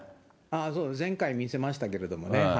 そうですね、前回見せましたけれどもね。